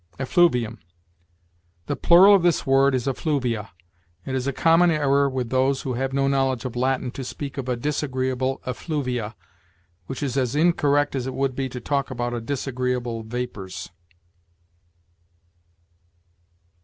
EFFLUVIUM. The plural of this word is effluvia. It is a common error with those who have no knowledge of Latin to speak of "a disagreeable effluvia," which is as incorrect as it would be to talk about "a disagreeable vapors."